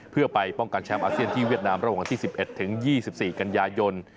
เพื่อไปป้องกันแชมป์อาเซียนที่เวียดนามระหว่างวันที่๑๑ถึง๒๔กันยายน